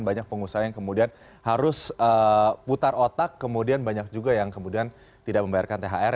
banyak pengusaha yang kemudian harus putar otak kemudian banyak juga yang kemudian tidak membayarkan thr